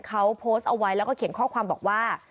เขาโพสต์เอาไว้แล้วก็เขียนข้อความบอกว่า